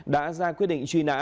đã ra quyết định truy nã